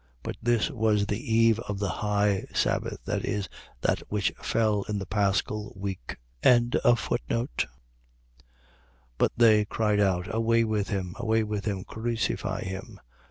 But this was the eve of a high sabbath, viz., that which fell in the paschal week. 19:15. But they cried out: Away with him: Away with him: Crucify him.